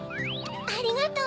ありがとう！